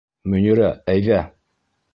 Мөнирә, әйҙә!